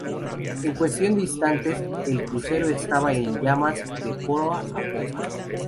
En cuestión de instantes, el crucero estaba en llamas de proa a popa.